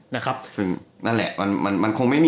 ไม่แน่น่ะผมว่าไม่แน่น่ะ